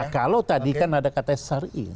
nah kalau tadi kan ada kata sari